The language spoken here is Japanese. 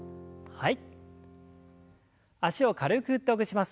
はい。